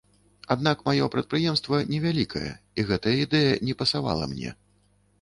Аднак маё прадпрыемства невялікае, і гэтая ідэя не пасавала мне.